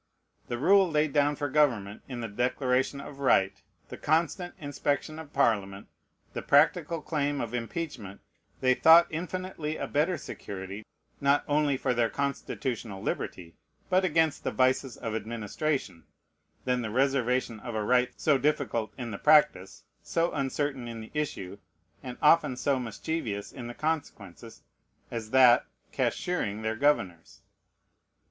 The rule laid down for government in the Declaration of Right, the constant inspection of Parliament, the practical claim of impeachment, they thought infinitely a better security not only for their constitutional liberty, but against the vices of administration, than the reservation of a right so difficult in the practice, so uncertain in the issue, and often so mischievous in the consequences, as that "cashiering their governors."